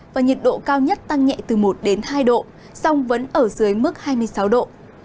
và nhiệt độ cao nhất tăng nhẹ từ một đến hai độ song vẫn ở dưới mức hai mươi sáu độ